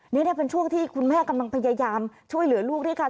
นี่เป็นช่วงที่คุณแม่กำลังพยายามช่วยเหลือลูกด้วยกัน